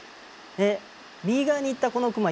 で右側に行ったこのクマ